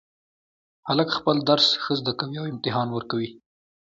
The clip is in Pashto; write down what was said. هلک خپل درس ښه زده کوي او امتحان ورکوي